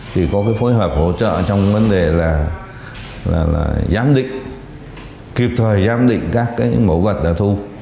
thì có cái phối hợp hỗ trợ trong vấn đề là giám định kịp thời giám định các cái mẫu vật đã thu